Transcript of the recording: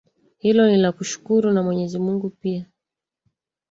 hilo ni la kushukuru na mwenyezi mungu pia